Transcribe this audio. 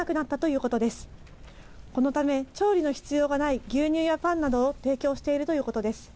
このため調理の必要がない牛乳やパンなどを提供しているということです。